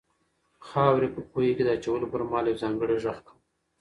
خاوره په کوهي کې د اچولو پر مهال یو ځانګړی غږ کاوه.